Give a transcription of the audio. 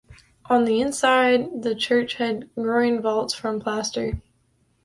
On the inside the church had groin vaults from plaster.